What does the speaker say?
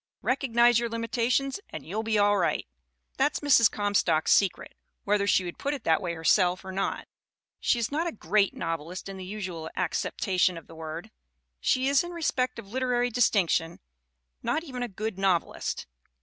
Rec ognize your limitations and you'll be all right!" That's Mrs. Comstock's secret, whether she would put it that way herself or not. She is not a "great" novelist in the usual acceptation of the word; she is, in respect of literary distinction, not even a good nov elist.